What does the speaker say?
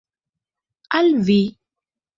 Al vi?